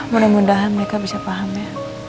mudah mudahan mereka bisa paham ya